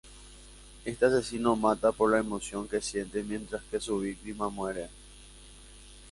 Este asesino mata por la emoción que siente mientras que su víctima muere.